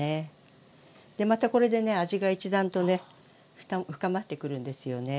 またこれでね味が一段とね深まってくるんですよね。